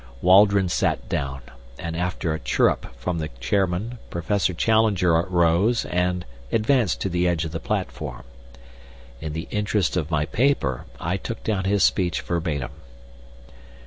Waldron sat down, and, after a chirrup from the chairman, Professor Challenger rose and advanced to the edge of the platform. In the interests of my paper I took down his speech verbatim.